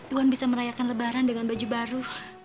iwan bisa merayakan lebaran dengan baju baru